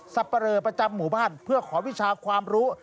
เปรอประจำหมู่บ้านเพื่อขอวิชาความรู้